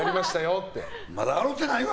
まだ洗ろうてないわ！